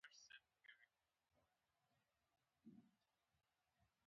د خوب د ګډوډۍ لپاره د څه شي ډوډۍ وخورم؟